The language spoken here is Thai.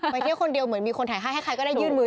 เที่ยวคนเดียวเหมือนมีคนถ่ายให้ใครก็ได้ยื่นมือ